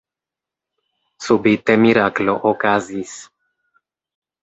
Subite miraklo okazis.